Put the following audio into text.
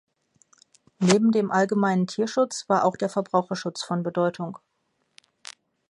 Neben dem allgemeinen Tierschutz war auch der Verbraucherschutz von Bedeutung.